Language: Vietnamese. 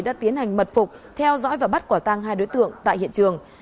đã tiến hành mật phục theo dõi và bắt quả tăng hai đối tượng tại hiện trường